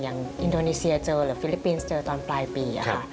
อินโดนีเซียเจอหรือฟิลิปปินส์เจอตอนปลายปีค่ะ